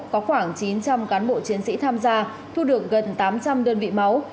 có khoảng chín trăm linh cán bộ chiến sĩ tham gia thu được gần tám trăm linh đơn vị máu